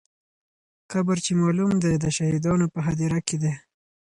قبر چې معلوم دی، د شهیدانو په هدیره کې دی.